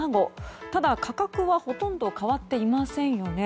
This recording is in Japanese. ただ、価格はほとんど変わっていませんよね。